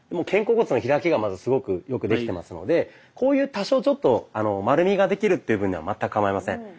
肩甲骨の開きがまずすごくよくできてますのでこういう多少ちょっと丸みができるという分には全くかまいません。